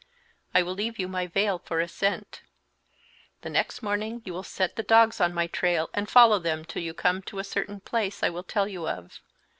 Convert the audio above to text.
I will leave you my veil for a scent. The next morning you will set the dogs on my trail and follow them till you come to a certain place I will tell you of.